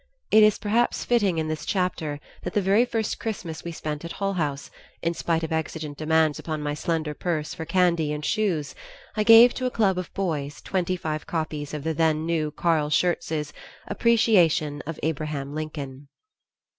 It is perhaps fitting in this chapter that the very first Christmas we spent at Hull House, in spite of exigent demands upon my slender purse for candy and shoes, I gave to a club of boys twenty five copies of the then new Carl Schurz's "Appreciation of Abraham Lincoln."